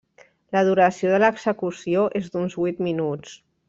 La duració de l'execució és d'uns vuit minuts.